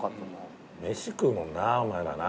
飯食うもんなぁお前らな。